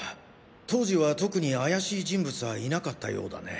当時は特に怪しい人物はいなかったようだね。